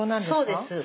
そうです。